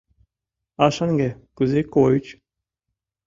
А шаҥге кузе койыч?..